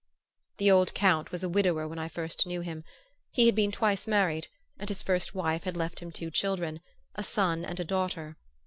The old Count was a widower when I first knew him. He had been twice married, and his first wife had left him two children, a son and a daughter.